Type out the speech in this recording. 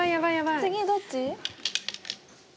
次どっち？